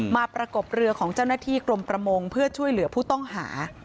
ประกบเรือของเจ้าหน้าที่กรมประมงเพื่อช่วยเหลือผู้ต้องหา